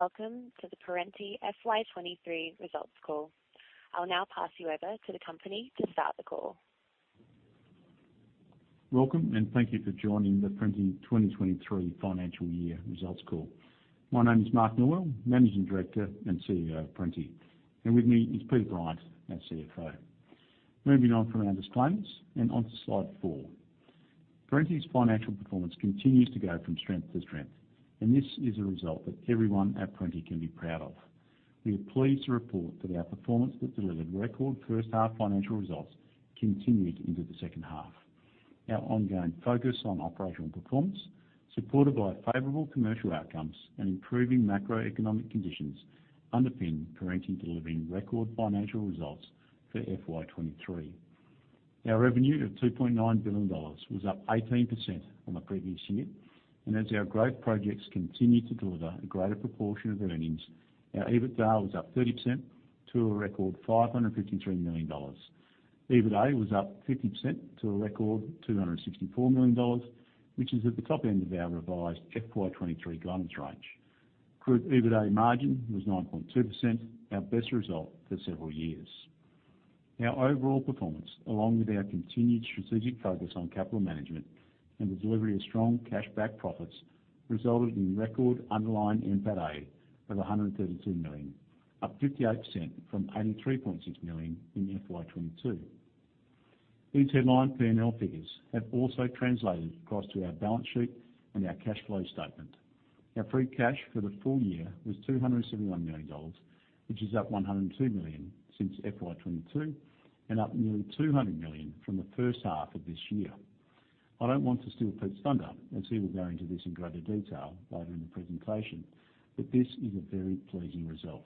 Welcome to the Perenti FY23 results call. I'll now pass you over to the company to start the call. Welcome, and thank you for joining the Perenti 2023 financial year results call. My name is Mark Norwell, Managing Director and CEO of Perenti, and with me is Peter Bryant, our CFO. Moving on from our disclaimers and on to slide four. Perenti's financial performance continues to go from strength to strength, and this is a result that everyone at Perenti can be proud of. We are pleased to report that our performance that delivered record first-half financial results continued into the second half. Our ongoing focus on operational performance, supported by favorable commercial outcomes and improving macroeconomic conditions, underpin Perenti delivering record financial results for FY23. Our revenue of 2.9 billion dollars was up 18% from the previous year. As our growth projects continue to deliver a greater proportion of earnings, our EBITDA was up 30% to a record 553 million dollars. EBITDA was up 50% to a record 264 million dollars, which is at the top end of our revised FY23 guidance range. Group EBITDA margin was 9.2%, our best result for several years. Our overall performance, along with our continued strategic focus on capital management and the delivery of strong cash back profits, resulted in record underlying NPATA of 132 million, up 58% from 83.6 million in FY22. These headline P&L figures have also translated across to our balance sheet and our cash flow statement. Our free cash for the full year was 271 million dollars, which is up 102 million since FY22 and up nearly 200 million from the first half of this year. I don't want to steal Pete's thunder, as he will go into this in greater detail later in the presentation. This is a very pleasing result.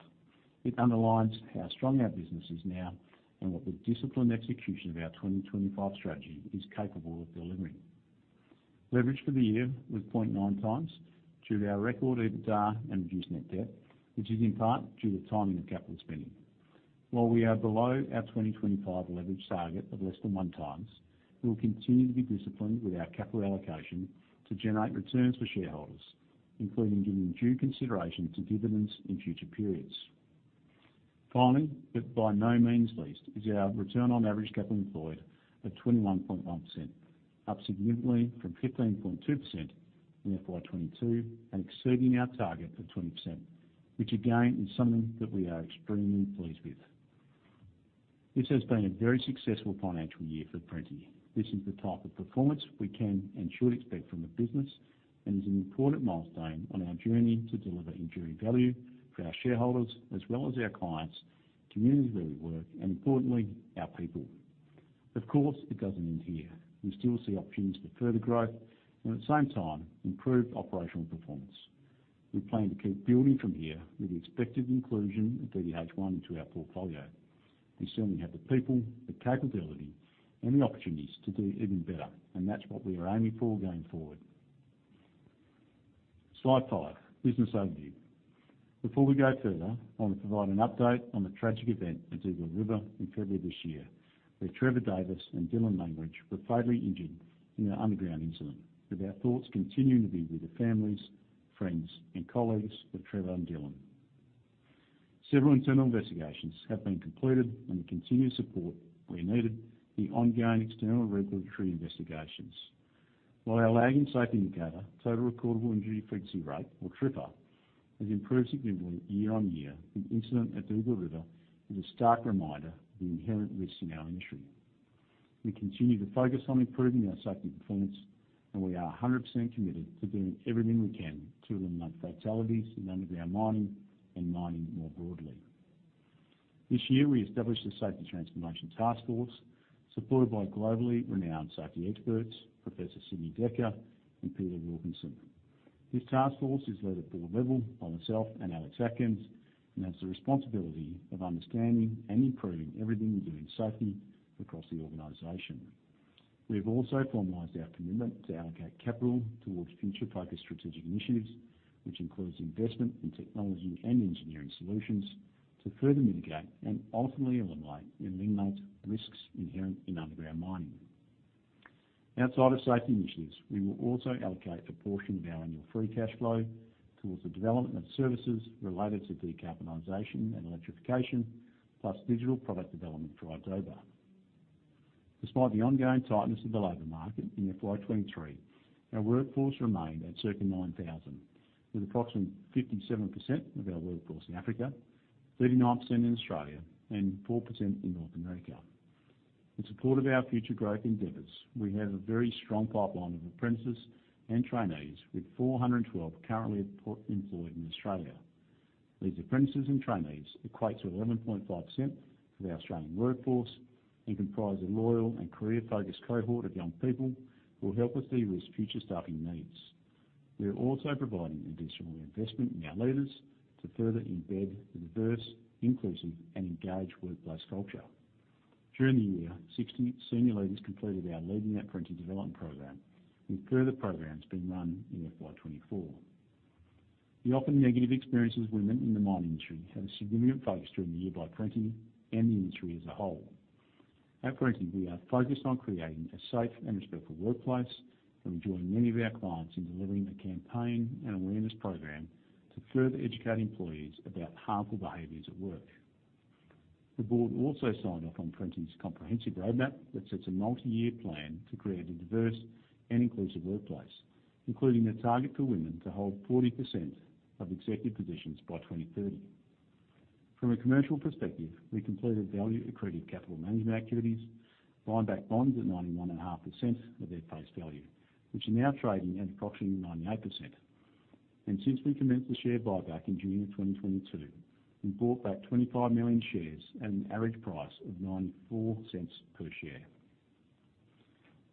It underlines how strong our business is now and what the disciplined execution of our 2025 strategy is capable of delivering. Leverage for the year was 0.9 times due to our record EBITDA and reduced net debt, which is in part due to timing of capital spending. While we are below our 2025 leverage target of less than 1x, we will continue to be disciplined with our capital allocation to generate returns for shareholders, including giving due consideration to dividends in future periods. Finally, but by no means least, is our Return on Average Capital Employed at 21.1%, up significantly from 15.2% in FY22 and exceeding our target of 20%, which again, is something that we are extremely pleased with. This has been a very successful financial year for Perenti. This is the type of performance we can and should expect from the business, and is an important milestone on our journey to deliver enduring value for our shareholders, as well as our clients, communities where we work, and importantly, our people. Of course, it doesn't end here. We still see opportunities for further growth and at the same time, improved operational performance. We plan to keep building from here with the expected inclusion of DDH1 into our portfolio. We certainly have the people, the capability, and the opportunities to do even better, and that's what we are aiming for going forward. Slide five, Business Overview. Before we go further, I want to provide an update on the tragic event at Dugald River in February this year, where Trevor Davis and Dylan Langridge were fatally injured in an underground incident, with our thoughts continuing to be with the families, friends and colleagues of Trevor and Dylan. Several internal investigations have been concluded and we continue to support, where needed, the ongoing external regulatory investigations. While our lagging safety indicator, Total Recordable Injury Frequency Rate, or TRIR, has improved significantly year-on-year, the incident at Dugald River is a stark reminder of the inherent risks in our industry. We continue to focus on improving our safety performance, we are 100% committed to doing everything we can to eliminate fatalities in underground mining and mining more broadly. This year, we established a Safety Transformation Task Force, supported by globally renowned safety experts, Professor Sidney Dekker and Peter Wilkinson. This task force is led at board level by myself and Alex Atkins, has the responsibility of understanding and improving everything we do in safety across the organization. We have also formalized our commitment to allocate capital towards future-focused strategic initiatives, which includes investment in technology and engineering solutions to further mitigate and ultimately eliminate and eliminate risks inherent in underground mining. Outside of safety initiatives, we will also allocate a portion of our annual free cash flow towards the development of services related to decarbonization and electrification, plus digital product development for idoba. Despite the ongoing tightness of the labor market in FY23, our workforce remained at circa 9,000, with approximately 57% of our workforce in Africa, 39% in Australia, and 4% in North America. In support of our future growth endeavors, we have a very strong pipeline of apprentices and trainees, with 412 currently employed in Australia. These apprentices and trainees equate to 11.5% of our Australian workforce and comprise a loyal and career-focused cohort of young people who will help us deal with future staffing needs. We are also providing additional investment in our leaders to further embed the diverse, inclusive and engaged workplace culture. During the year, 60 senior leaders completed our Leading@Perenti program, with further programs being run in FY24. The often negative experiences of women in the mining industry had a significant focus during the year by Perenti and the industry as a whole. At Perenti, we are focused on creating a safe and respectful workplace, and we join many of our clients in delivering a campaign and awareness program to further educate employees about harmful behaviors at work. The board also signed off on Perenti's comprehensive roadmap that sets a multi-year plan to create a diverse and inclusive workplace, including a target for women to hold 40% of executive positions by 2030. From a commercial perspective, we completed value-accreted capital management activities, buying back bonds at 91.5% of their face value, which are now trading at approximately 98%. Since we commenced the share buyback in June of 2022, we bought back 25 million shares at an average price of 0.94 per share.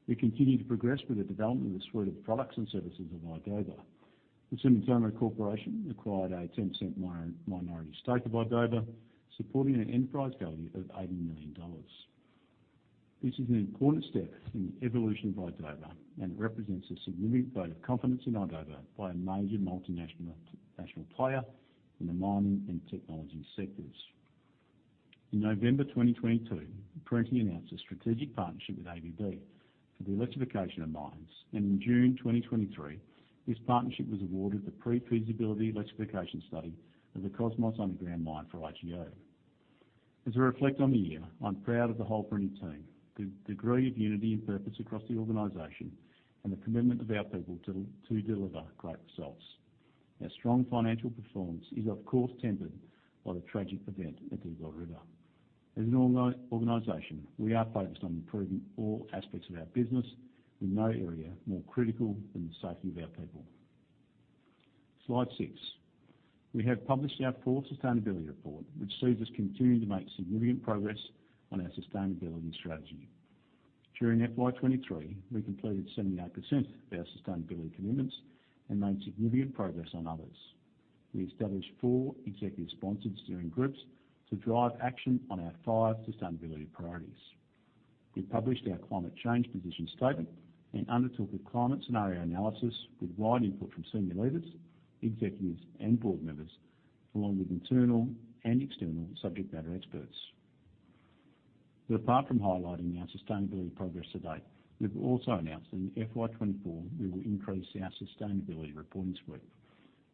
We continued to progress with the development of the suite of products and services of idoba. The Sumitomo Corporation acquired a 10% minority stake of idoba, supporting an enterprise value of 80 million dollars. This is an important step in the evolution of idoba, and it represents a significant vote of confidence in idoba by a major multinational, national player in the mining and technology sectors. In November 2022, Perenti announced a strategic partnership with ABB for the electrification of mines, and in June 2023, this partnership was awarded the pre-feasibility electrification study of the Cosmos Underground Mine for IGO. As I reflect on the year, I'm proud of the whole Perenti team, the degree of unity and purpose across the organization, and the commitment of our people to deliver great results. Our strong financial performance is, of course, tempered by the tragic event at Dugald River. As an organization, we are focused on improving all aspects of our business, with no area more critical than the safety of our people. Slide six. We have published our fourth sustainability report, which sees us continuing to make significant progress on our sustainability strategy. During FY23, we completed 78% of our sustainability commitments and made significant progress on others. We established 4 executive-sponsored steering groups to drive action on our five sustainability priorities. We published our climate change position statement and undertook a climate scenario analysis with wide input from senior leaders, executives, and board members, along with internal and external subject matter experts. Apart from highlighting our sustainability progress to date, we've also announced that in FY24, we will increase our sustainability reporting suite.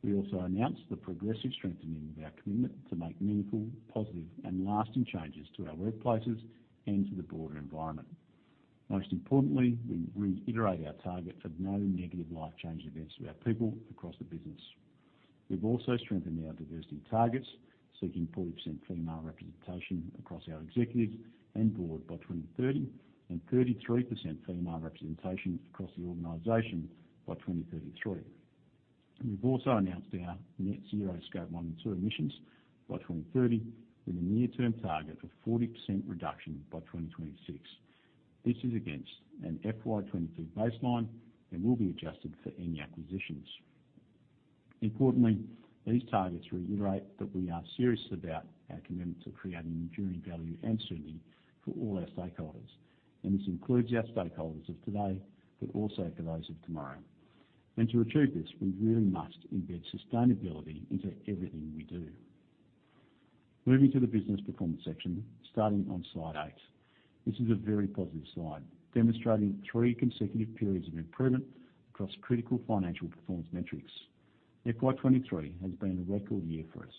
We also announced the progressive strengthening of our commitment to make meaningful, positive, and lasting changes to our workplaces and to the broader environment. Most importantly, we reiterate our target of no negative life-changing events to our people across the business. We've also strengthened our diversity targets, seeking 40% female representation across our executives and board by 2030, and 33% female representation across the organization by 2033. We've also announced our net zero Scope 1 and 2 emissions by 2030, with a near-term target of 40% reduction by 2026. This is against an FY22 baseline and will be adjusted for any acquisitions. Importantly, these targets reiterate that we are serious about our commitment to creating enduring value and certainty for all our stakeholders. This includes our stakeholders of today, but also for those of tomorrow. To achieve this, we really must embed sustainability into everything we do. Moving to the business performance section, starting on slide eight. This is a very positive slide, demonstrating three consecutive periods of improvement across critical financial performance metrics. FY23 has been a record year for us.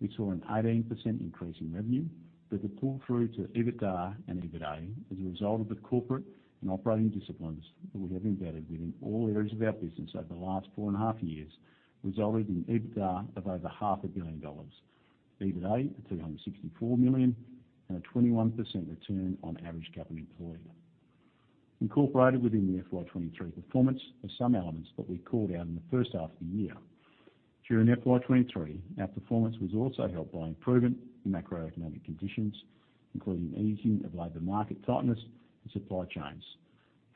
We saw an 18% increase in revenue, with the pull-through to EBITDA and EBITDA as a result of the corporate and operating disciplines that we have embedded within all areas of our business over the last four and a half years, resulting in EBITDA of over 500 million dollars, EBITDA, 264 million, and a 21% Return on Average Capital Employed. Incorporated within the FY23 performance are some elements that we called out in the first half of the year. During FY23, our performance was also helped by improving macroeconomic conditions, including easing of labor market tightness and supply chains,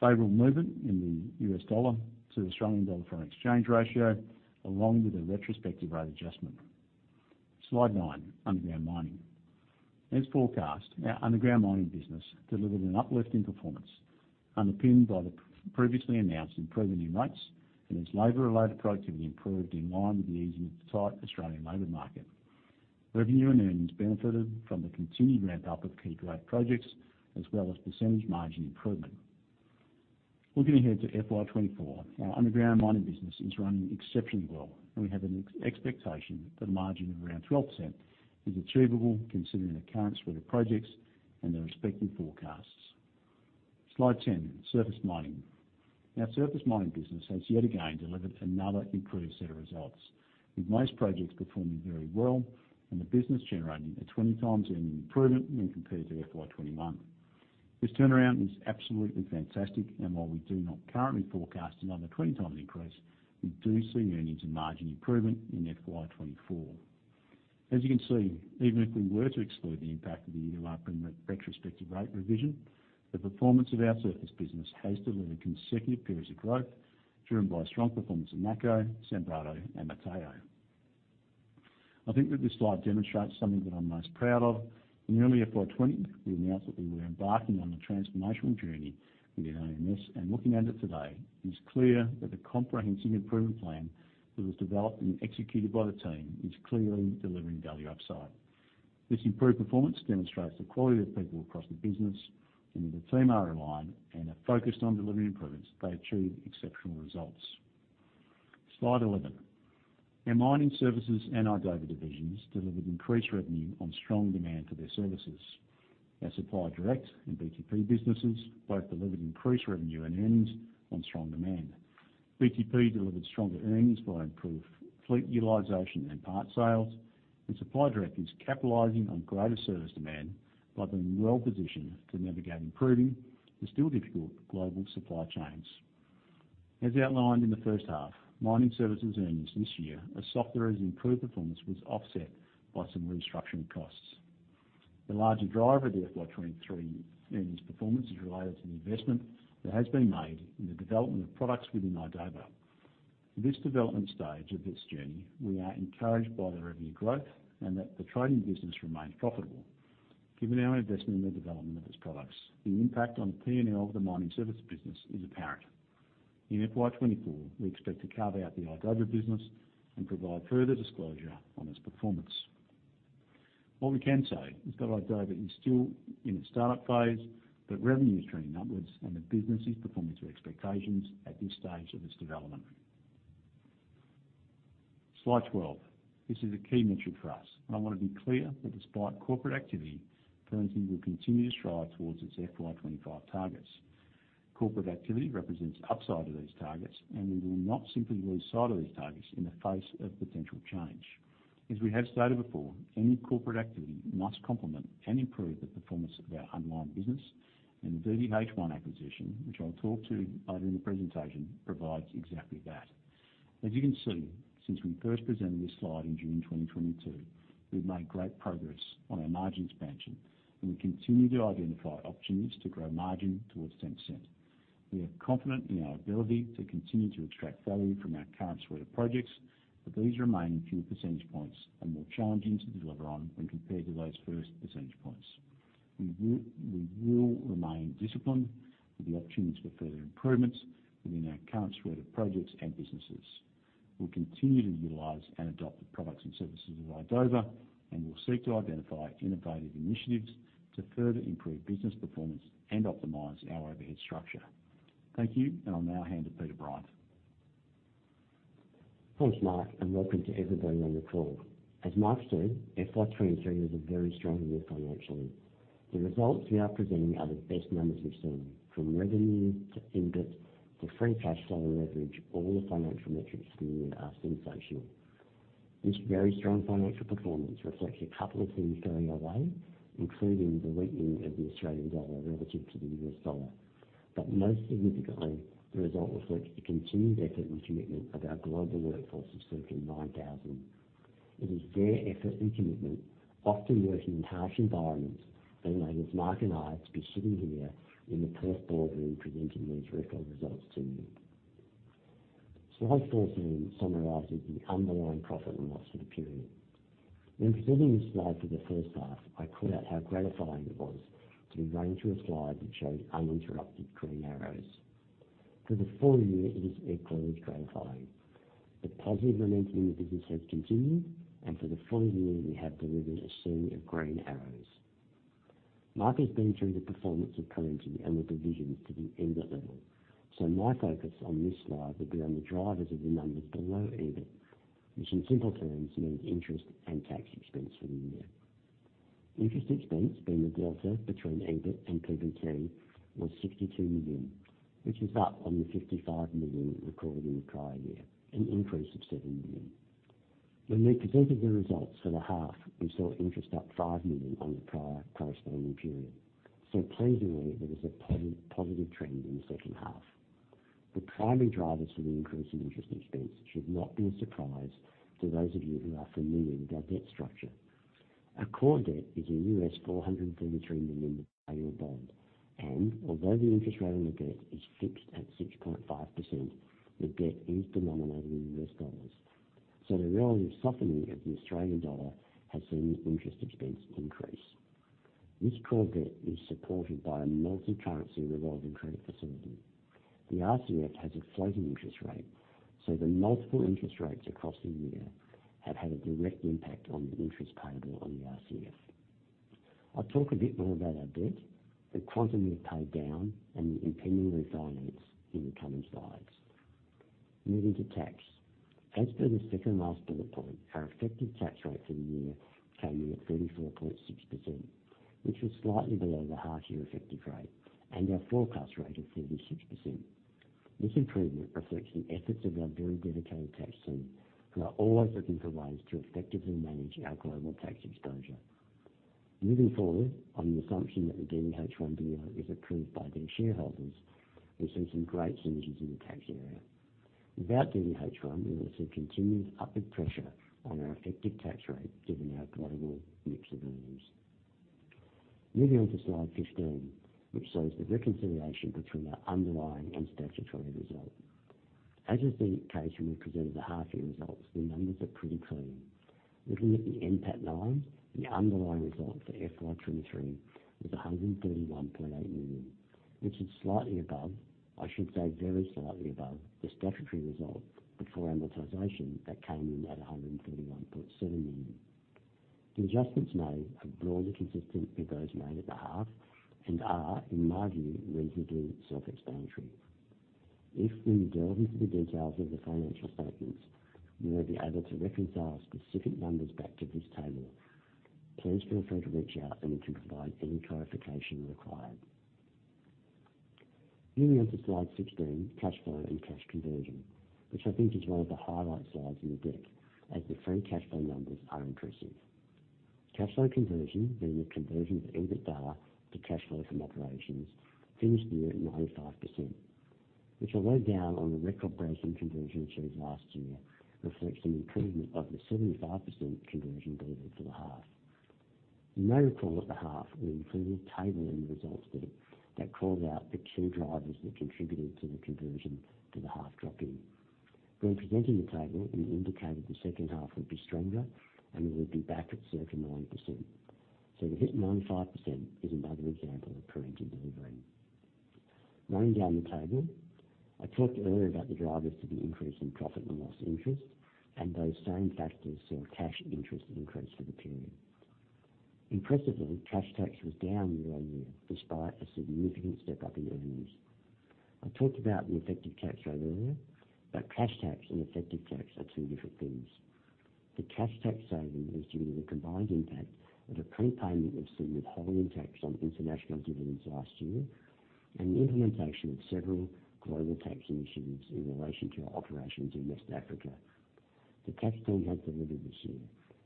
favorable movement in the US dollar to the Australian dollar foreign exchange ratio, along with a retrospective rate adjustment. Slide nine, underground mining. As forecast, our underground mining business delivered an uplift in performance, underpinned by the previously announced improvement in rates, and as labor and load productivity improved in line with the easing of the tight Australian labor market. Revenue and earnings benefited from the continued ramp-up of key growth projects, as well as percentage margin improvement. Looking ahead to FY24, our underground mining business is running exceptionally well, and we have an expectation that a margin of around 12% is achievable, considering the current suite of projects and the respective forecasts. Slide 10, surface mining. Our surface mining business has yet again delivered another improved set of results, with most projects performing very well and the business generating a 20 times earning improvement when compared to FY21. This turnaround is absolutely fantastic. While we do not currently forecast another 20 times increase, we do see earnings and margin improvement in FY24. As you can see, even if we were to exclude the impact of the ELIP and the retrospective rate revision, the performance of our surface business has delivered consecutive periods of growth, driven by strong performance in Mako, Motheo, and Mateo. I think that this slide demonstrates something that I'm most proud of. In early FY20, we announced that we were embarking on a transformational journey within OMS. Looking at it today, it is clear that the comprehensive improvement plan that was developed and executed by the team is clearly delivering value upside. This improved performance demonstrates the quality of people across the business. When the team are aligned and are focused on delivering improvements, they achieve exceptional results. Slide 11. Our mining services and idoba divisions delivered increased revenue on strong demand for their services. Our Supply Direct and BTP businesses both delivered increased revenue and earnings on strong demand. BTP delivered stronger earnings by improved fleet utilization and part sales. Supply Direct is capitalizing on greater service demand by being well-positioned to navigate improving the still difficult global supply chains. As outlined in the first half, mining services earnings this year, as softer as improved performance, was offset by some restructuring costs. The larger driver of the FY23 earnings performance is related to the investment that has been made in the development of products within idoba. At this development stage of this journey, we are encouraged by the revenue growth and that the trading business remains profitable. Given our investment in the development of these products, the impact on P&L of the mining services business is apparent. In FY24, we expect to carve out the idoba business and provide further disclosure on its performance. What we can say is that idoba is still in its startup phase, but revenue is trending upwards and the business is performing to expectations at this stage of its development. Slide 12. This is a key metric for us, and I want to be clear that despite corporate activity, Perenti will continue to strive towards its FY25 targets. Corporate activity represents upside of these targets, and we will not simply lose sight of these targets in the face of potential change. As we have stated before, any corporate activity must complement and improve the performance of our underlying business, and the DDH1 acquisition, which I'll talk to later in the presentation, provides exactly that. As you can see, since we first presented this slide in June 2022, we've made great progress on our margin expansion, and we continue to identify opportunities to grow margin towards 10%. We are confident in our ability to continue to extract value from our current suite of projects, but these remaining few percentage points are more challenging to deliver on when compared to those first percentage points. We will remain disciplined with the opportunities for further improvements within our current suite of projects and businesses. We'll continue to utilize and adopt the products and services of idoba, and we'll seek to identify innovative initiatives to further improve business performance and optimize our overhead structure. Thank you, and I'll now hand to Peter Bryant. Thanks, Mark. Welcome to everybody on the call. As Mark said, FY23 was a very strong year financially. The results we are presenting are the best numbers we've seen, from revenue to EBIT to free cash flow and leverage, all the financial metrics for the year are sensational. This very strong financial performance reflects a couple of things going our way, including the weakening of the Australian dollar relative to the US dollar. Most significantly, the result reflects the continued effort and commitment of our global workforce of circa 9,000. It is their effort and commitment, often working in harsh environments, enabling Mark and I to be sitting here in the Perth boardroom, presenting these record results to you. Slide 14 summarizes the underlying profit and loss for the period. When presenting this slide for the first half, I called out how gratifying it was to be running through a slide that shows uninterrupted green arrows. For the full year, it is equally gratifying. The positive momentum in the business has continued, and for the full year, we have delivered a series of green arrows. Mark has been through the performance of Perenti and the divisions to the end of level. My focus on this slide will be on the drivers of the numbers below EBIT, which in simple terms, means interest and tax expense for the year. Interest expense being the delta between EBIT and PBT, was 62 million, which is up on the 55 million recorded in the prior year, an increase of 7 million. When we presented the results for the half, we saw interest up 5 million on the prior corresponding period. Pleasingly, there was a positive trend in the second half. The primary drivers for the increase in interest expense should not be a surprise to those of you who are familiar with our debt structure. Our core debt is a $433 million bond, and although the interest rate on the debt is fixed at 6.5%, the debt is denominated in US dollars. The relative softening of the Australian dollar has seen interest expense increase. This core debt is supported by a multi-currency revolving credit facility. The RCF has a floating interest rate, so the multiple interest rates across the year have had a direct impact on the interest payable on the RCF. I'll talk a bit more about our debt, the quantity we've paid down, and the impending refinance in the coming slides. Moving to tax. For the second last bullet point, our effective tax rate for the year came in at 34.6%, which was slightly below the half-year effective rate and our forecast rate of 36%. This improvement reflects the efforts of our very dedicated tax team, who are always looking for ways to effectively manage our global tax exposure. Moving forward, on the assumption that the DDH1 deal is approved by their shareholders, we see some great synergies in the tax area. Without DDH1, we will see continued upward pressure on our effective tax rate, given our global mix of earnings. Moving on to slide 15, which shows the reconciliation between our underlying and statutory result. As is the case when we presented the half-year results, the numbers are pretty clean. Looking at the NPAT line, the underlying result... for FY23 was 131.8 million, which is slightly above, I should say, very slightly above the statutory result before amortization that came in at 131.7 million. The adjustments made are broadly consistent with those made at the half and are, in my view, reasonably self-explanatory. If we delve into the details of the financial statements, you will be able to reconcile specific numbers back to this table. Please feel free to reach out, and we can provide any clarification required. Moving on to slide 16, cash flow and cash conversion, which I think is one of the highlight slides in the deck, as the free cash flow numbers are impressive. Cash flow conversion, being the conversion of EBITDA to cash flow from operations, finished the year at 95%, which although down on the record-breaking conversion achieved last year, reflects an improvement of the 75% conversion delivered for the half. You may recall at the half, we included a table in the results deck that called out the key drivers that contributed to the conversion to the half dropping. When presenting the table, we indicated the second half would be stronger and we would be back at circa 90%. To hit 95% is another example of Perenti delivering. Running down the table, I talked earlier about the drivers to the increase in P&L interest, and those same factors saw cash interest increase for the period. Impressively, cash tax was down year-on-year, despite a significant step up in earnings. I talked about the effective tax rate earlier, but cash tax and effective tax are two different things. The cash tax saving was due to the combined impact of the prepayment of some withholding tax on international dividends last year and the implementation of several global tax initiatives in relation to our operations in West Africa. The tax team has delivered this year,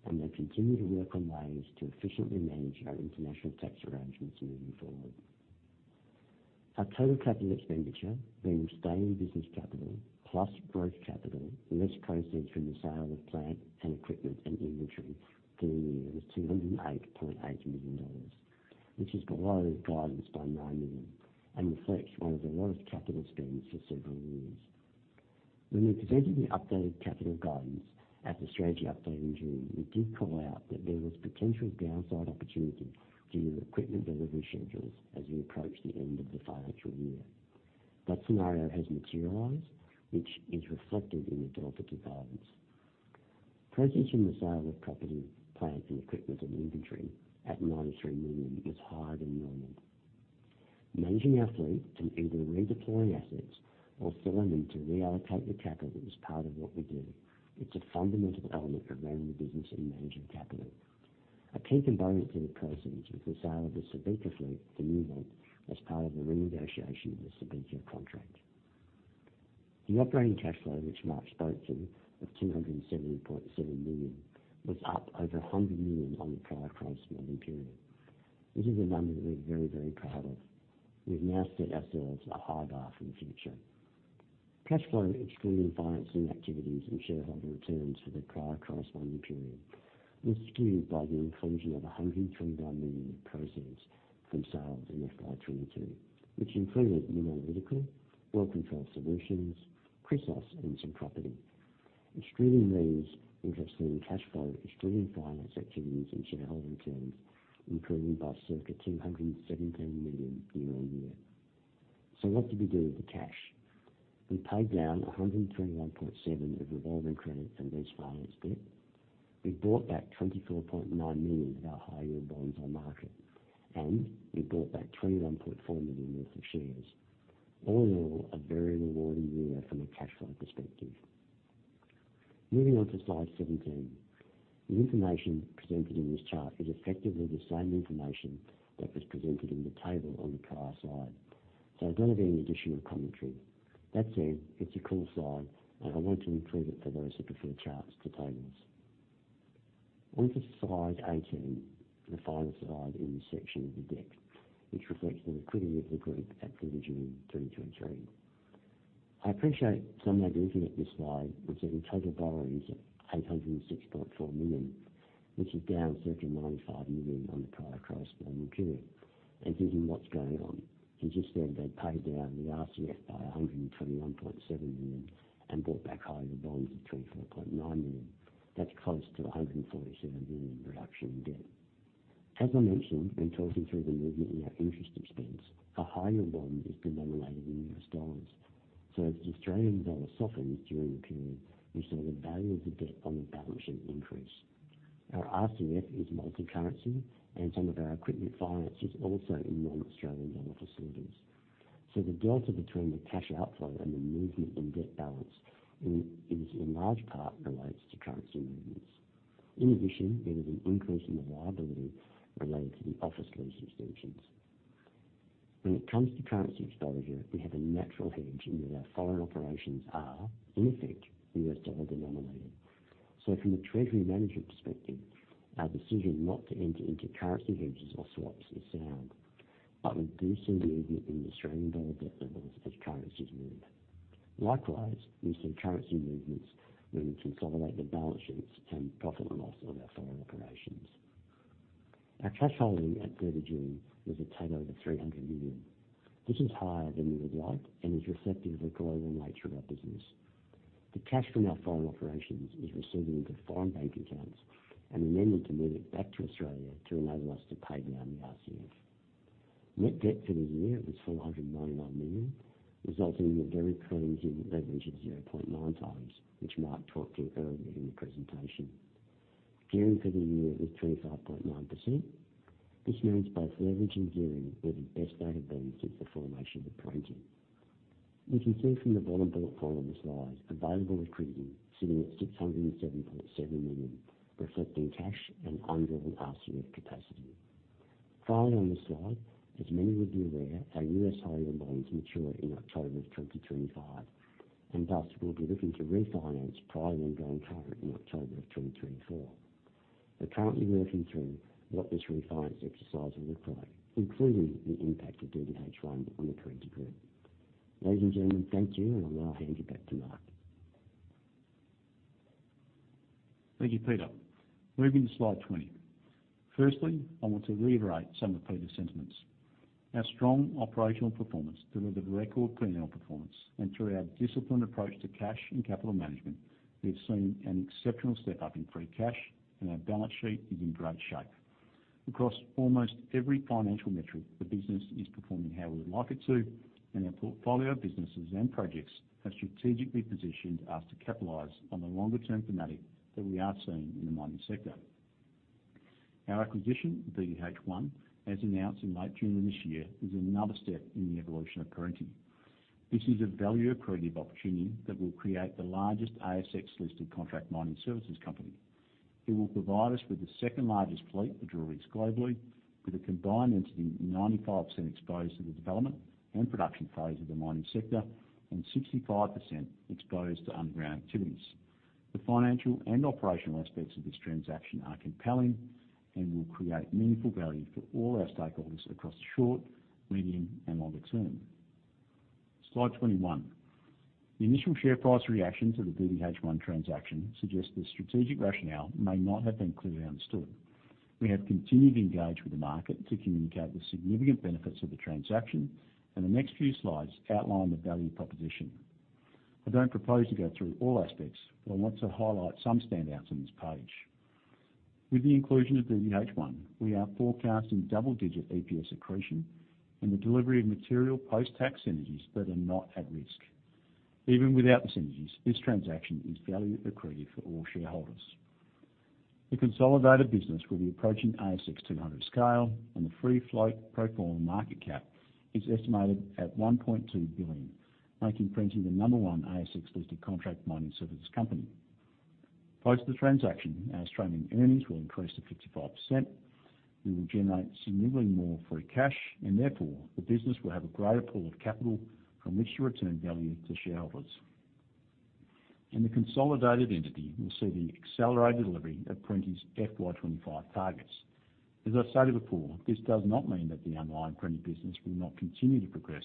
and they continue to work on ways to efficiently manage our international tax arrangements moving forward. Our total capital expenditure, being sustained business capital plus growth capital, less proceeds from the sale of plant and equipment and inventory for the year, was 208.8 million dollars, which is below guidance by 9 million and reflects one of the lowest capital spends for several years. When we presented the updated capital guidance at the strategy update in June, we did call out that there was potential downside opportunity due to equipment delivery schedules as we approached the end of the financial year. That scenario has materialized, which is reflected in the delta to guidance. Proceeds from the sale of property, plant and equipment and inventory at 93 million was higher than million. Managing our fleet and either redeploying assets or selling them to reallocate the capital is part of what we do. It's a fundamental element of running the business and managing capital. A key component to the proceeds was the sale of the Subika fleet to Newmont as part of the renegotiation of the Subika contract. The operating cash flow, which Mark spoke to, of 270.7 million, was up over 100 million on the prior corresponding period. This is a number that we're very, very proud of. We've now set ourselves a high bar for the future. Cash flow, excluding financing activities and shareholder returns for the prior corresponding period, was skewed by the inclusion of 121 million proceeds from sales in FY22, which included MinAnalytical, Well Control Solutions, Chrysos, and some property. Excluding these, we've seen cash flow, excluding finance activities and shareholder returns, improving by circa 217 million year-on-year. What did we do with the cash? We paid down 121.7 of revolving credit from lease finance debt. We bought back 24.9 million of our higher bonds on market. We bought back 21.4 million worth of shares. All in all, a very rewarding year from a cash flow perspective. Moving on to slide 17. The information presented in this chart is effectively the same information that was presented in the table on the prior slide, so I don't have any additional commentary. That said, it's a cool slide, and I want to include it for those who prefer charts to tables. On to slide 18, the final slide in this section of the deck, which reflects the liquidity of the group at 30th June 2023. I appreciate some may be looking at this slide and seeing total borrowings of 806.4 million, which is down circa 95 million on the prior corresponding period, and thinking, "What's going on?" Because just then, they paid down the RCF by 121.7 million and bought back higher bonds of 24.9 million. That's close to 147 million reduction in debt. As I mentioned when talking through the movement in our interest expense, our higher bond is denominated in US dollars. As the Australian dollar softens during the period, we saw the value of the debt on the balance sheet increase. Our RCF is multicurrency and some of our equipment finance is also in non-Australian dollar facilities. The delta between the cash outflow and the movement in debt balance is, in large part, relates to currency movements. In addition, there is an increase in the liability related to the office lease extensions. When it comes to currency exposure, we have a natural hedge in that our foreign operations are, in effect, US dollar denominated. From a treasury management perspective, our decision not to enter into currency hedges or swaps is sound, but we do see movement in the Australian dollar debt levels as currencies move. Likewise, we see currency movements when we consolidate the balance sheets and profit and loss of our foreign operations. Our cash holding at 30 June was a total of 300 million. This is higher than we would like and is reflective of the global nature of our business. We then need to move it back to Australia to enable us to pay down the RCF. Net debt for the year was 499 million, resulting in a very clean leverage of 0.9 times, which Mark talked to earlier in the presentation. Gearing for the year was 25.9%. This means both leverage and gearing were the best they have been since the formation of Perenti. You can see from the bottom bullet point on the slide, available liquidity sitting at 607.7 million, reflecting cash and undrawn RCF capacity. Finally, on this slide, as many would be aware, our US higher bonds mature in October of 2025, Thus we'll be looking to refinance prior to going current in October of 2024. We're currently working through what this refinance exercise will look like, including the impact of DDH1 on the Perenti group. Ladies and gentlemen, thank you, I'll now hand it back to Mark. Thank you, Peter. Moving to slide 20. Firstly, I want to reiterate some of Peter's sentiments. Our strong operational performance delivered a record Perenti performance, and through our disciplined approach to cash and capital management, we've seen an exceptional step-up in free cash, and our balance sheet is in great shape. Across almost every financial metric, the business is performing how we would like it to, and our portfolio of businesses and projects have strategically positioned us to capitalize on the longer-term dynamic that we are seeing in the mining sector. Our acquisition, DDH1, as announced in late June of this year, is another step in the evolution of Perenti. This is a value-accretive opportunity that will create the largest ASX-listed contract mining services company. It will provide us with the second-largest fleet of drill rigs globally, with a combined entity, 95% exposed to the development and production phase of the mining sector, and 65% exposed to underground activities. The financial and operational aspects of this transaction are compelling and will create meaningful value for all our stakeholders across the short, medium, and longer term. Slide 21. The initial share price reaction to the DDH1 transaction suggests the strategic rationale may not have been clearly understood. We have continued to engage with the market to communicate the significant benefits of the transaction. The next few slides outline the value proposition. I don't propose to go through all aspects, but I want to highlight some standouts on this page. With the inclusion of DDH1, we are forecasting double-digit EPS accretion and the delivery of material post-tax synergies that are not at risk. Even without the synergies, this transaction is value accretive for all shareholders. The consolidated business will be approaching ASX 200 scale, and the free float pro forma market cap is estimated at AUD 1.2 billion, making Perenti the number one ASX-listed contract mining services company. Post the transaction, our Australian earnings will increase to 55%. We will generate significantly more free cash, and therefore, the business will have a greater pool of capital from which to return value to shareholders. The consolidated entity will see the accelerated delivery of Perenti's FY25 targets. As I've stated before, this does not mean that the underlying Perenti business will not continue to progress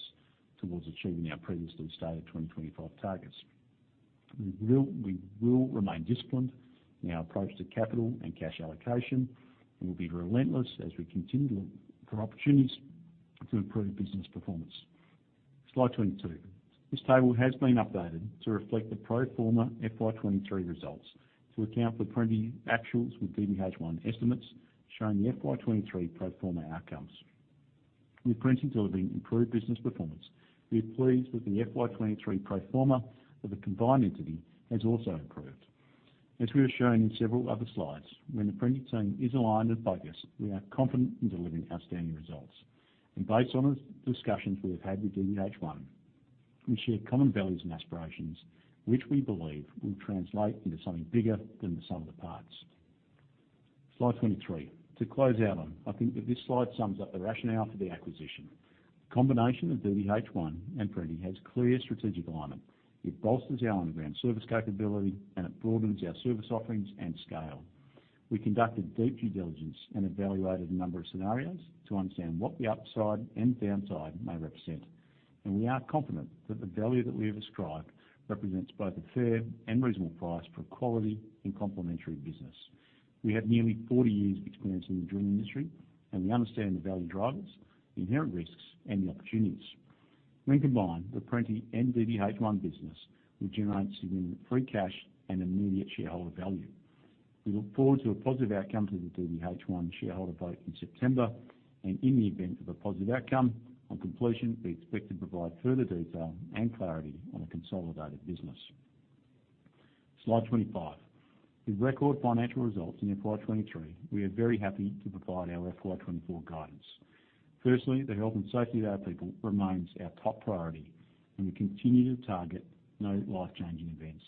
towards achieving our previously stated 2025 targets. We will, we will remain disciplined in our approach to capital and cash allocation, we'll be relentless as we continue to look for opportunities to improve business performance. Slide 22. This table has been updated to reflect the pro forma FY23 results to account for Perenti actuals with DDH1 estimates, showing the FY23 pro forma outcomes. With Perenti delivering improved business performance, we are pleased with the FY23 pro forma of the combined entity has also improved. As we have shown in several other slides, when the Perenti team is aligned and focused, we are confident in delivering outstanding results, based on the discussions we have had with DDH1, we share common values and aspirations, which we believe will translate into something bigger than the sum of the parts. Slide 23. To close out on, I think that this slide sums up the rationale for the acquisition. The combination of DDH1 and Perenti has clear strategic alignment. It bolsters our underground service capability, and it broadens our service offerings and scale. We conducted deep due diligence and evaluated a number of scenarios to understand what the upside and downside may represent, we are confident that the value that we have ascribed represents both a fair and reasonable price for a quality and complementary business. We have nearly 40 years of experience in the drilling industry, we understand the value drivers, the inherent risks, and the opportunities. When combined, the Perenti and DDH1 business will generate significant free cash and immediate shareholder value. We look forward to a positive outcome to the DDH1 shareholder vote in September, and in the event of a positive outcome, on completion, we expect to provide further detail and clarity on the consolidated business. Slide 25. With record financial results in FY23, we are very happy to provide our FY24 guidance. Firstly, the health and safety of our people remains our top priority, and we continue to target no life-changing events.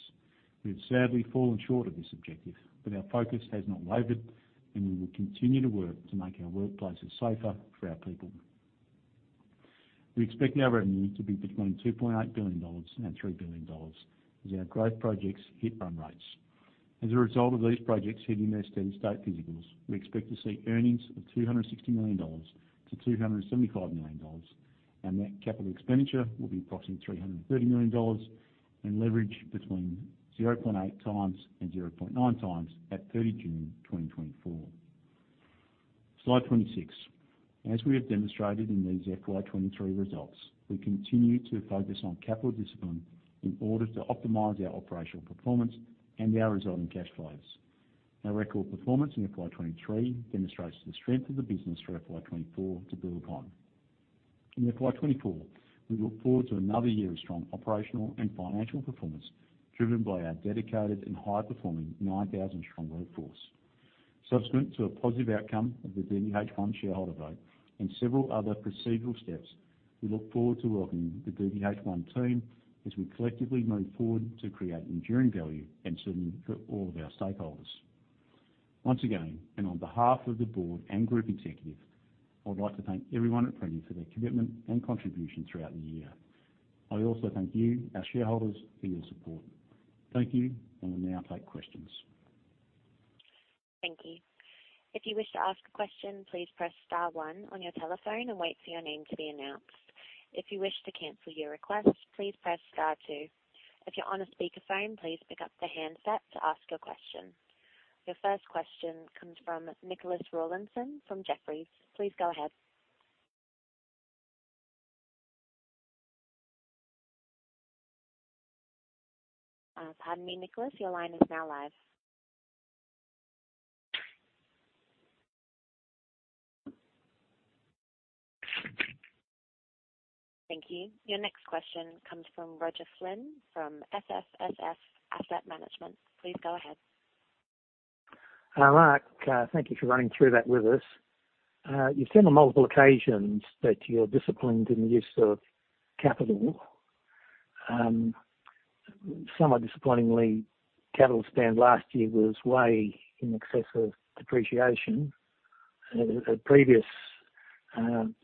We have sadly fallen short of this objective, but our focus has not wavered, and we will continue to work to make our workplaces safer for our people. We expect our revenue to be between 2.8 billion dollars and 3 billion dollars as our growth projects hit run rates. As a result of these projects hitting their steady state physicals, we expect to see earnings of 260 million-275 million dollars, and that CapEx will be approximately 330 million dollars and leverage between 0.8 times and 0.9 times at June 30, 2024. Slide 26. As we have demonstrated in these FY23 results, we continue to focus on capital discipline in order to optimize our operational performance and our resulting cash flows. Our record performance in FY23 demonstrates the strength of the business for FY24 to build upon. In FY24, we look forward to another year of strong operational and financial performance, driven by our dedicated and high-performing 9,000 strong workforce. Subsequent to a positive outcome of the DDH1 shareholder vote and several other procedural steps, we look forward to welcoming the DDH1 team as we collectively move forward to create enduring value and serving for all of our stakeholders. Once again, on behalf of the board and group executive, I would like to thank everyone at Perenti for their commitment and contribution throughout the year. I also thank you, our shareholders, for your support. Thank you, we'll now take questions. Thank you. If you wish to ask a question, please press star one on your telephone and wait for your name to be announced. If you wish to cancel your request, please press star two. If you're on a speakerphone, please pick up the handset to ask your question. Your first question comes from Nicholas Rawlinson from Jefferies. Please go ahead. Pardon me, Nicholas. Your line is now live. Thank you. Your next question comes from [Roger Flynn from SSSF Asset Management.] Please go ahead. Hi, Mark. Thank you for running through that with us. You've said on multiple occasions that you're disciplined in the use of capital. Somewhat disappointingly, capital spend last year was way in excess of depreciation. A, a previous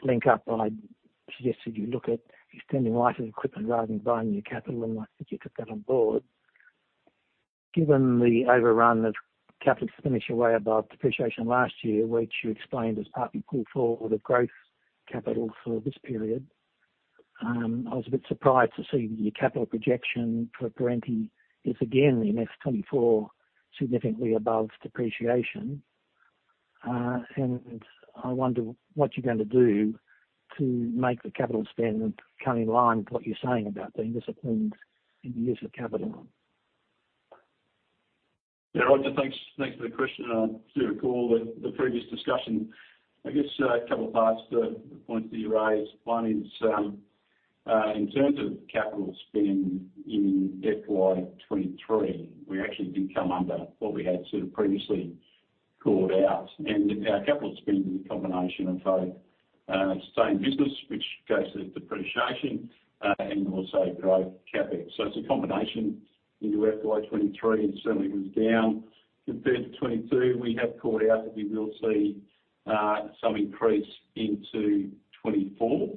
link up, I suggested you look at extending life of equipment rather than buying new capital, and I think you took that on board. Given the overrun of capital expenditure way above depreciation last year, which you explained as partly pull forward of growth capital for this period, I was a bit surprised to see your capital projection for Perenti is again, in FY24, significantly above depreciation. I wonder what you're going to do to make the capital spend come in line with what you're saying about being disciplined in the use of capital. Yeah, Roger, thanks, thanks for the question. I do recall the previous discussion. I guess, a couple of parts to the points that you raised. One is, in terms of capital spend in FY23, we actually did come under what we had sort of previously called out. Our capital spend is a combination of both, sustained business, which goes to the depreciation, and also growth CapEx. It's a combination into FY23, and certainly was down compared to 22. We have called out that we will see some increase into 24,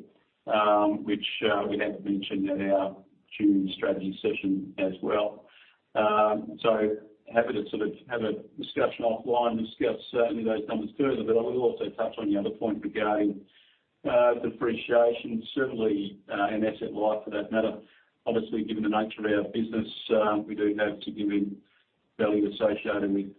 which we have mentioned at our June strategy session as well. Happy to sort of have a discussion offline, discuss certainly those numbers further. I will also touch on the other point regarding depreciation, certainly, and asset life for that matter. Obviously, given the nature of our business, we do have significant value associated with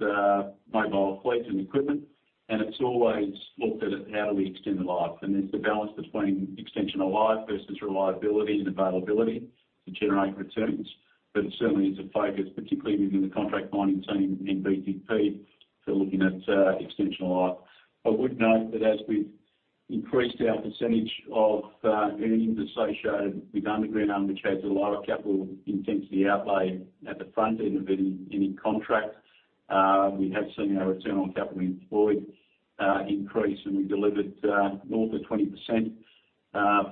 mobile fleet and equipment, and it's always looked at at how do we extend the life. There's the balance between extension of life versus reliability and availability to generate returns. It certainly is a focus, particularly within the contract mining team in BTP, for looking at extension of life. I would note that as we've increased our percentage of earnings associated with underground, which has a lower capital intensity outlay at the front end of any, any contract, we have seen our return on capital employed increase, and we delivered north of 20%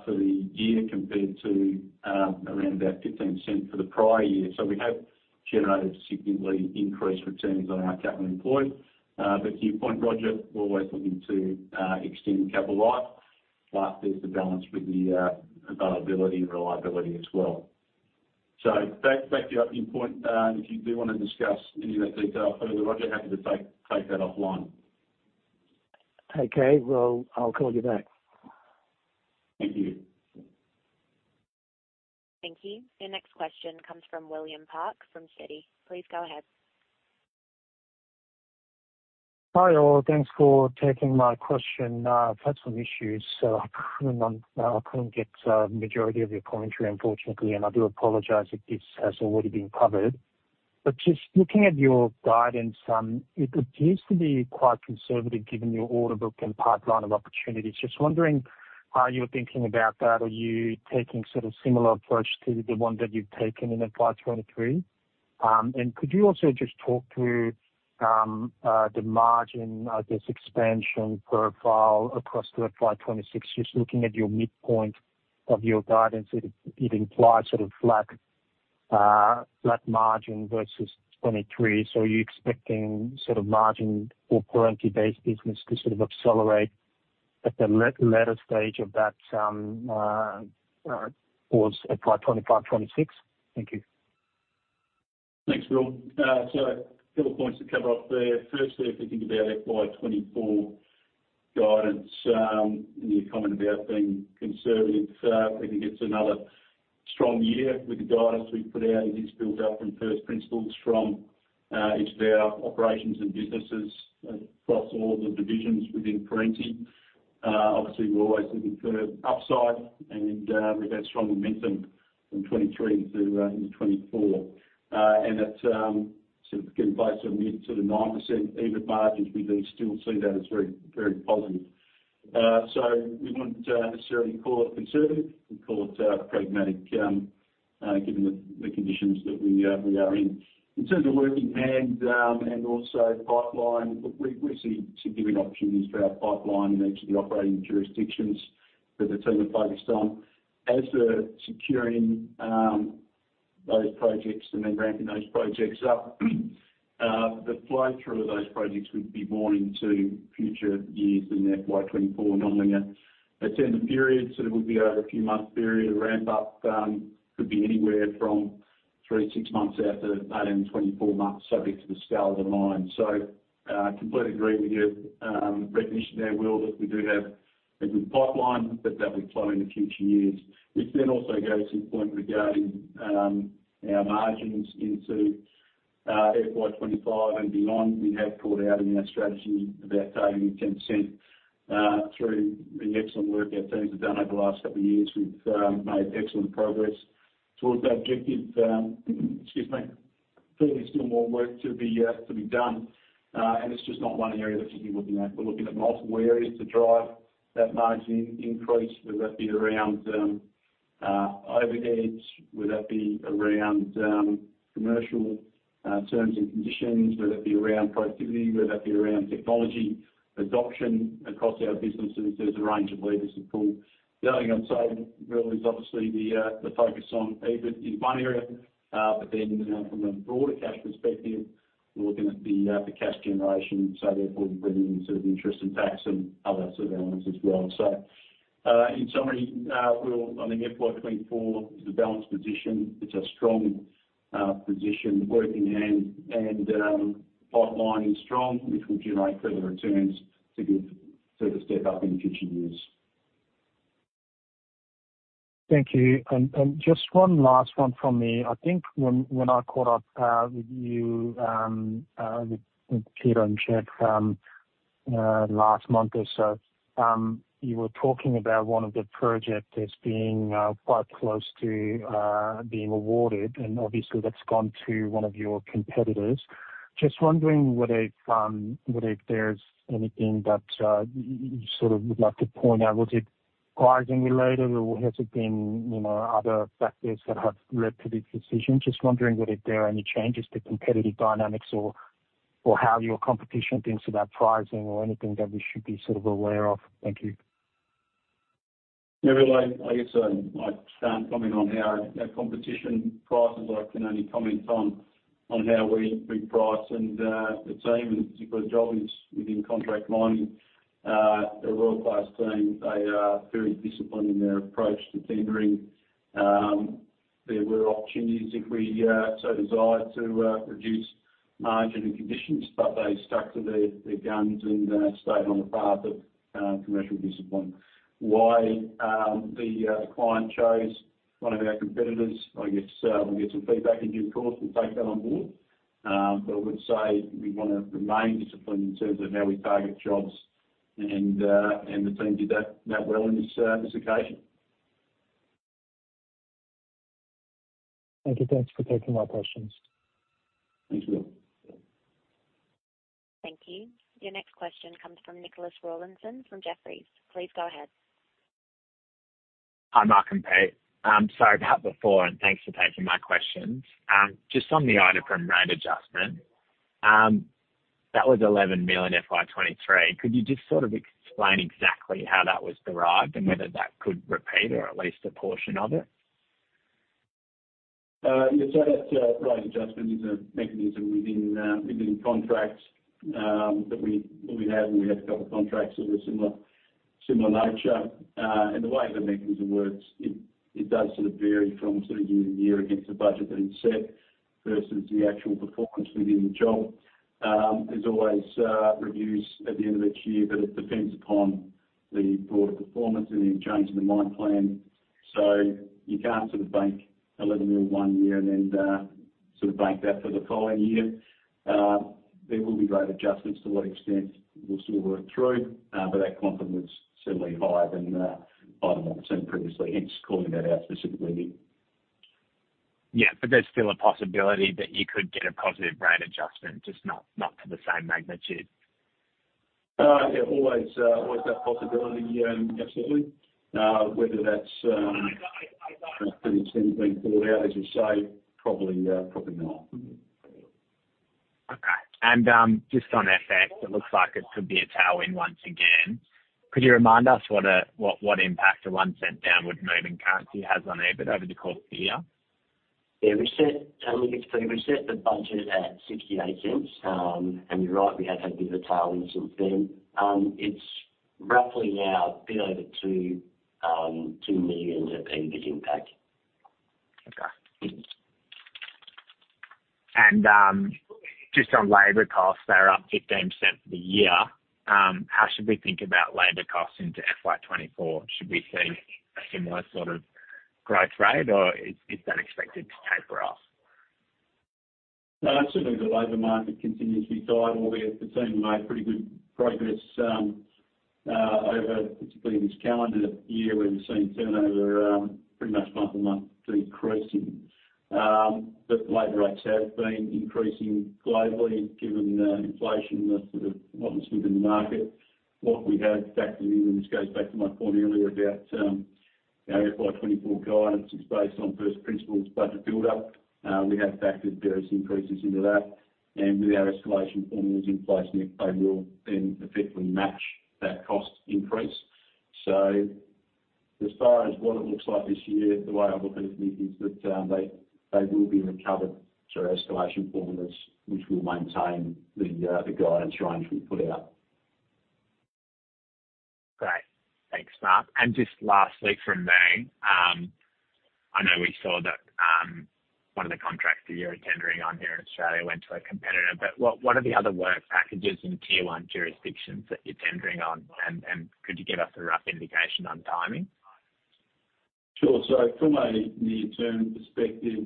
for the year, compared to around about 15% for the prior year. We have generated significantly increased returns on our capital employed. To your point, Roger, we're always looking to extend the capital life, but there's the balance with the availability and reliability as well. Thank, thank you for your point. You do want to discuss any of that detail further, Roger, happy to take, take that offline. Okay. Well, I'll call you back. Thank you. Thank you. Your next question comes from William Park, from Citi. Please go ahead. Hi, all. Thanks for taking my question. I've had some issues, so I couldn't, I couldn't get majority of your commentary, unfortunately, I do apologize if this has already been covered. Just looking at your guidance, it appears to be quite conservative, given your order book and pipeline of opportunities. Just wondering how you're thinking about that. Are you taking sort of similar approach to the one that you've taken in FY23? Could you also just talk through the margin of this expansion profile across the FY26? Just looking at your midpoint of your guidance, it, it implies sort of flat, flat margin versus 23. Are you expecting sort of margin for Perenti-based business to sort of accelerate at the lat- latter stage of that towards FY25, FY26? Thank you. Thanks, William. A couple of points to cover off there. Firstly, if we think about FY24 guidance, and your comment about being conservative, I think it's another strong year with the guidance we've put out, and it's built up from first principles from each of our operations and businesses across all the divisions within Perenti. Obviously, we're always looking for upside, and we've had strong momentum from 23 through into 24. And that, sort of giving place to a mid to the 9% EBIT margins, we do still see that as very, very positive. We wouldn't necessarily call it conservative. We'd call it pragmatic, given the conditions that we are in. In terms of working hand, and also pipeline, we, we see significant opportunities for our pipeline in each of the operating jurisdictions that the team are focused on. As to securing those projects and then ramping those projects up, the flow-through of those projects would be more into future years in the FY24 nominal. It's in the period, so it would be over a few months period. The ramp up could be anywhere from 3 to 6 months out to 18 to 24 months, subject to the scale of the mine. I completely agree with you, recognition there, Will, that we do have a good pipeline, but that we flow in the future years. Also goes to the point regarding our margins into FY25 and beyond. We have called out in our strategy about targeting 10% through the excellent work our teams have done over the last couple of years. We've made excellent progress towards that objective. Excuse me. Clearly, still more work to be done, and it's just not one area that you'll be looking at. We're looking at multiple areas to drive that margin increase, whether that be around overheads, whether that be around commercial terms and conditions, whether it be around productivity, whether that be around technology adoption across our businesses, there's a range of levers to pull. The other thing I'd say, really, is obviously the focus on EBIT in one area, but then from a broader cash perspective, we're looking at the cash generation, so therefore bringing in sort of the interest and tax and other sort of elements as well. In summary, Will, on the FY24, it's a balanced position. It's a strong position. Working hand and pipeline is strong, which will generate further returns to give further step up in future years. Thank you. Just one last one from me. I think when, when I caught up with you, with Peter and Chad, last month or so, you were talking about one of the projects as being quite close to being awarded, and obviously, that's gone to one of your competitors. Just wondering whether, whether if there's anything that you sort of would like to point out, was it pricing related, or has it been, you know, other factors that have led to this decision? Just wondering whether there are any changes to competitive dynamics or, or how your competition thinks about pricing or anything that we should be sort of aware of. Thank you. Yeah, well, I, I guess I, I start coming on how our competition prices. I can only comment on, on how we price. The team, and particularly Joel, is within contract mining. They're a world-class team. They are very disciplined in their approach to tendering. There were opportunities if we so desired, to reduce margin and conditions, but they stuck to their, their guns and stayed on the path of commercial discipline. Why the client chose one of our competitors? I guess we'll get some feedback in due course. We'll take that on board. I would say we want to remain disciplined in terms of how we target jobs and the team did that, that well in this occasion. Thank you. Thanks for taking my questions. Thanks, Will. Thank you. Your next question comes from Nicholas Rawlinson, from Jefferies. Please go ahead. Hi, Mark and Pete. I'm sorry about before, and thanks for taking my questions. Just on the item from rate adjustment, that was 11 million FY23. Could you just sort of explain exactly how that was derived and whether that could repeat or at least a portion of it? Yeah, so that price adjustment is a mechanism within contracts that we, we have, and we have a couple contracts of a similar, similar nature. The way the mechanism works, it, it does sort of vary from sort of year to year against the budget that is set versus the actual performance within the job. There's always reviews at the end of each year, but it depends upon the broader performance and the change in the mine plan. You can't sort of bank 11 million one year and then sort of bank that for the following year. There will be great adjustments to what extent we'll still work through, but our confidence is certainly higher than item I've seen previously, hence calling that out specifically. Yeah, there's still a possibility that you could get a positive rate adjustment, just not, not to the same magnitude? Yeah, always, always that possibility, absolutely. Whether that's pretty soon being pulled out, as you say, probably, probably not. Okay. Just on FX, it looks like it could be a tailwind once again. Could you remind us what, what, what impact an 0.01 downward move in currency has on EBIT over the course of the year? Yeah, we set, look, we set the budget at 0.68. You're right, we have had bit of a tailwind since then. It's roughly now a bit over 2 million in EBIT impact. Okay. Just on labor costs, they're up 15% for the year. How should we think about labor costs into FY24? Should we see a similar sort of growth rate, or is, is that expected to taper off? Certainly the labor market continues to be tight, albeit the team made pretty good progress over particularly this calendar year, where we've seen turnover pretty much month-to-month decreasing. Labor rates have been increasing globally, given the inflation, the sort of what's within the market. What we have factored in, and this goes back to my point earlier about our FY24 guidance is based on first principles budget buildup. We have factored various increases into that, and with our escalation formulas in place, they will then effectively match that cost increase. As far as what it looks like this year, the way I look at it, Nick, is that they, they will be recovered through our escalation formulas, which will maintain the guidance range we put out. Great. Thanks, Mark. Just lastly from me, I know we saw that one of the contracts that you're tendering on here in Australia went to a competitor. What, what are the other work packages in tier one jurisdictions that you're tendering on? Could you give us a rough indication on timing? Sure. From a near-term perspective,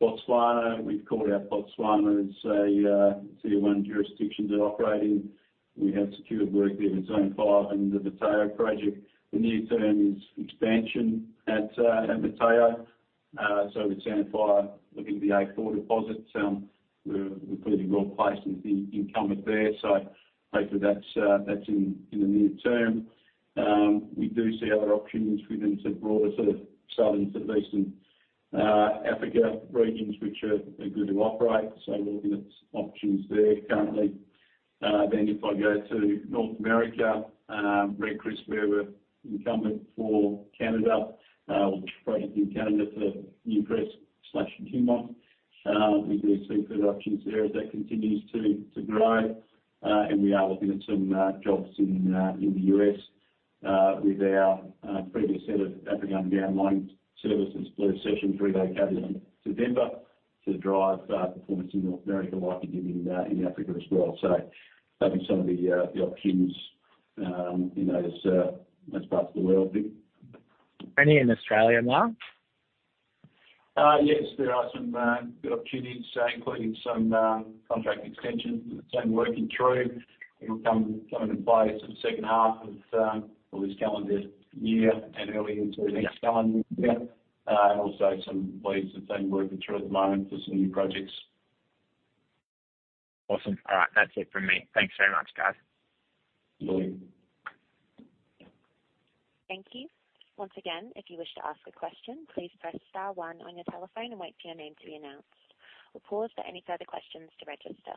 Botswana, we've called out Botswana as a tier one jurisdiction that operating. We have secured work there in Zone Five and the Motheo project. The near term is expansion at Motheo. With Sandfire looking at the A4 deposits, we're pretty well placed as the incumbent there. Hopefully that's in the near term. We do see other opportunities for them to broader sort of southern to eastern Africa regions, which are good to operate, so looking at options there currently. Then if I go to North America, Red Chris, where we're incumbent for Canada, which project in Canada for Newcrest/Kinross. We do see good options there as that continues to grow. We are looking at some jobs in in the U.S. with our previous head of African Underground Mining Services, Blair Sessions, they have in September to drive performance in North America, likely in in Africa as well. That some of the the options in those those parts of the world, Nick. Any in Australia, Mark? Yes, there are some good opportunities, including some contract extensions that we're working through. It'll come, come into play sort of second half of, well, this calendar year and early into next calendar year. Also some leads that same working through at the moment for some new projects. Awesome. All right. That's it from me. Thanks very much, guys. Bye. Thank you. Once again, if you wish to ask a question, please press star one on your telephone and wait for your name to be announced. We'll pause for any further questions to register.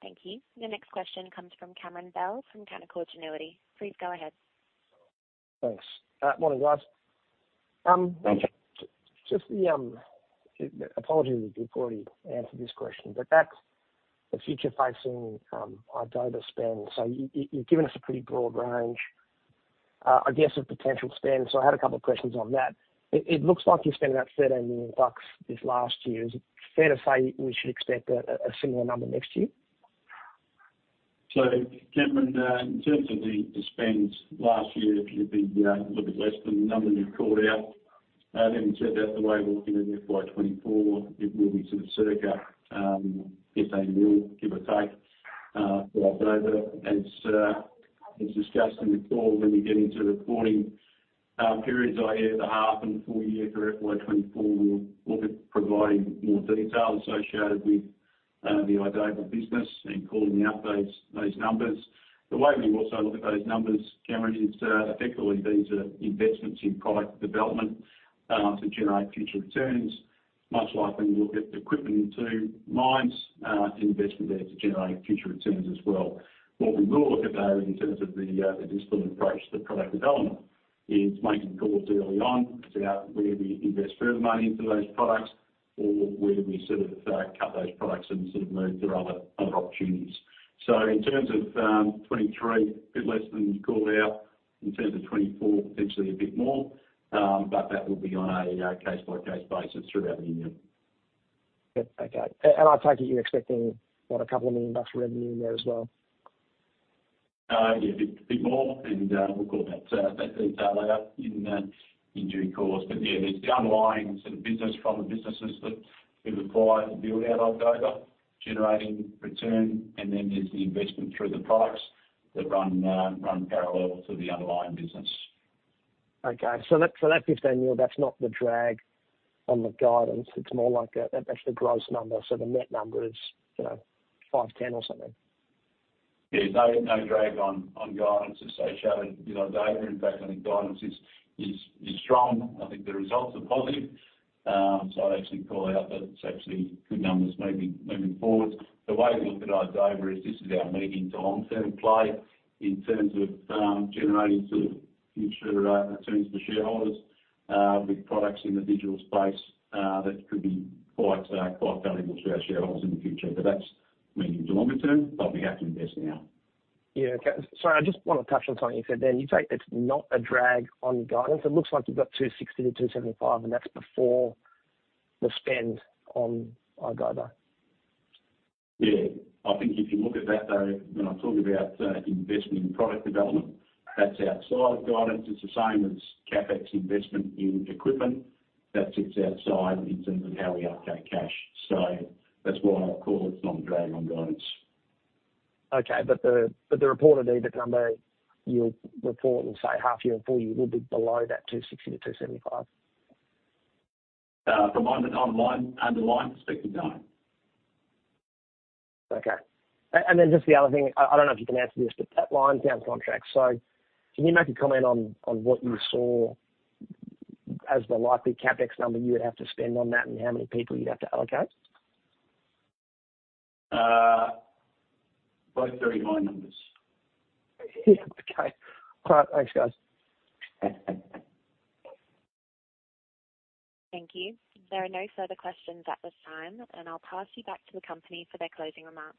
Thank you. The next question comes from Cameron Bell from Canaccord Genuity. Please go ahead. Thanks. Morning, guys. Apologies if you've already answered this question, but back to the future facing, idoba spend. You've given us a pretty broad range, I guess, of potential spend. I had a couple of questions on that. Looks like you spent about 13 million bucks this last year. Is it fair to say we should expect a similar number next year? Cameron, in terms of the, the spend last year, it would be a little bit less than the number you called out. In terms of the way we're looking at FY24, it will be sort of circa, yes, a wheel, give or take, for Idoba. As discussed in the call, when we get into reporting periods, either the half and full year for FY24, we'll, we'll be providing more detail associated with the Idoba business and calling out those, those numbers. The way we also look at those numbers, Cameron, is effectively, these are investments in product development to generate future returns. Much like when we look at equipment into mines, investment there to generate future returns as well. What we will look at, though, in terms of the disciplined approach to product development, is making calls early on about whether we invest further money into those products or whether we sort of cut those products and sort of move to other, other opportunities. In terms of FY23, a bit less than you called out. In terms of FY24, potentially a bit more, but that will be on a case-by-case basis throughout the year. Yep. Okay. I take it you're expecting, what, $2 million revenue in there as well? Yeah, a bit, bit more, and we'll call that detail out in due course. Yeah, there's the underlying sort of business from the businesses that we've acquired to build out idoba, generating return, and then there's the investment through the products that run parallel to the underlying business. Okay. That, so that 15 million, that's not the drag on the guidance. It's more like that's the gross number. The net number is, you know, 510 million or something. Yeah. No, no drag on, on guidance associated with idoba. In fact, I think guidance is, is, is strong. I think the results are positive. I'd actually call out that it's actually good numbers moving, moving forward. The way to look at idoba is this is our medium to long-term play in terms of generating sort of future returns for shareholders with products in the digital space that could be quite valuable to our shareholders in the future. That's medium to longer term. They'll be happy to invest now. Yeah, okay. I just want to touch on something you said then. You say it's not a drag on guidance. It looks like you've got 260-275, and that's before the spend on idoba. Yeah. I think if you look at that, though, when I talk about investment in product development, that's outside guidance. It's the same as CapEx investment in equipment that sits outside in terms of how we allocate cash. That's why I call it's not a drag on guidance. Okay, but the reported EBITDA number you'll report in, say, half year or full year, will be below that 260-275? From an underlying, underlying perspective, no. Okay. And then just the other thing, I, I don't know if you can answer this, but that line sound contract. Can you make a comment on, on what you saw as the likely CapEx number you would have to spend on that and how many people you'd have to allocate? Both very high numbers. Yeah. Okay, great. Thanks, guys. Thank you. There are no further questions at this time, and I'll pass you back to the company for their closing remarks.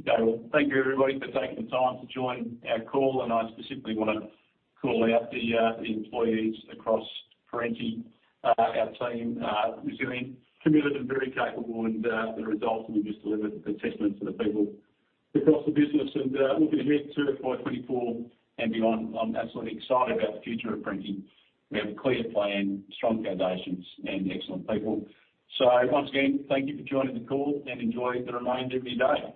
Okay. Well, thank you, everybody, for taking the time to join our call, and I specifically want to call out the employees across Perenti. Our team is very committed and very capable, and the results that we've just delivered are a testament to the people across the business. Looking ahead to FY24 and beyond, I'm absolutely excited about the future of Perenti. We have a clear plan, strong foundations, and excellent people. Once again, thank you for joining the call, and enjoy the remainder of your day.